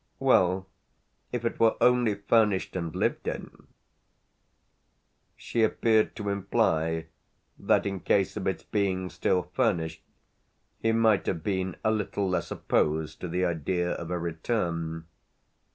"Well, if it were only furnished and lived in !" She appeared to imply that in case of its being still furnished he might have been a little less opposed to the idea of a return.